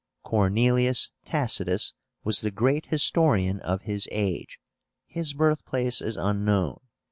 CORNELIUS TACITUS was the great historian of his age. His birthplace is unknown.